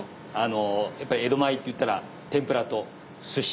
やっぱり江戸前といったら天ぷらとすし。